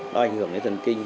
nó ảnh hưởng đến thần kinh